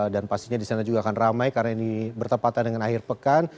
dan pastinya di sana juga akan ramai karena ini bertempatan dengan akhir pekan